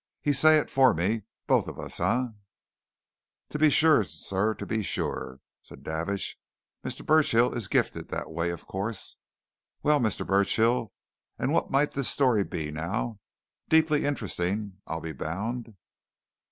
"He say it for me for both of us, eh?" "To be sure, sir, to be sure," said Davidge. "Mr. Burchill is gifted that way, of course. Well, Mr. Burchill, and what might this story be, now? Deeply interesting, I'll be bound."